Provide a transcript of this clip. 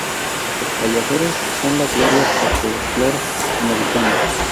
Los payadores son la gloria del folclore americano.